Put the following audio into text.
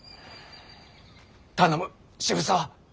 頼む渋沢。